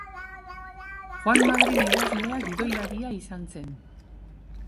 Juan Madrid idazlea gidoilaria izan zen.